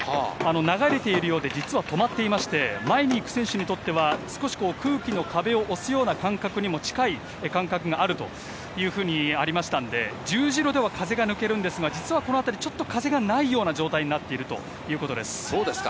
流れているようで、実はとまっていまして、前に行く選手にとっては少し空気の壁を押すような感覚にも近い感覚があるというふうにありましたんで、十字路では風が抜けるんですが、実はこの辺り、ちょっと風がないような状態になっているとそうですか。